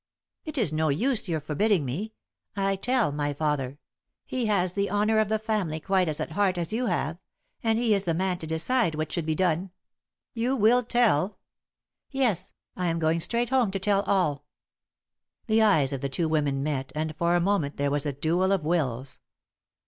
"It is no use your forbidding me. I tell my father. He has the honour of the family quite as at heart as you have; and he is the man to decide what should be done." "You will tell?" "Yes; I am going straight home to tell all." The eyes of the two women met, and for a moment there was a duel of wills.